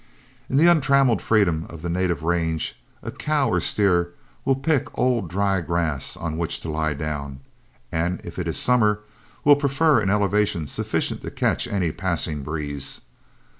In the untrammeled freedom of the native range, a cow or steer will pick old dry grass on which to lie down, and if it is summer, will prefer an elevation sufficient to catch any passing breeze.